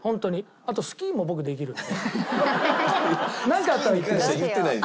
あとスキーも僕できるので。